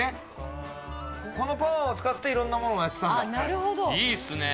このパワーを使って、いろんなものをやってたんだ。